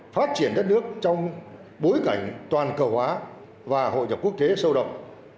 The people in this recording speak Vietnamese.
phát triển đất nước trong bối cảnh toàn cầu hóa và hội nhập quốc tế sâu rộng